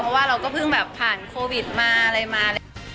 เพราะว่าเราก็พึ่งผ่านโควิดมา